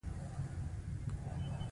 دوی په خبرو کې مهارت لري.